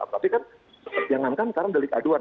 tapi kan jangankan sekarang delik aduan